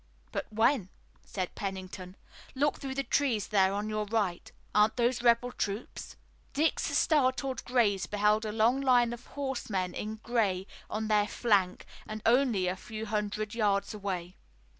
"But when?" said Pennington. "Look through the trees there on our right. Aren't those rebel troops?" Dick's startled gaze beheld a long line of horsemen in gray on their flank and only a few hundred yards away.